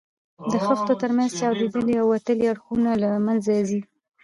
د خښتو تر منځ چاودونه او وتلي اړخونه له منځه ځي.